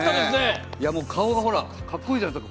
顔がかっこいいじゃないですか。